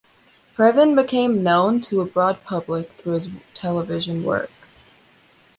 Previn became known to a broad public through his television work.